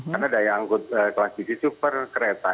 karena daya angkut kelas bisnis itu per kereta